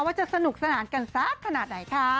ว่าจะสนุกสนานกันสักขนาดไหนคะ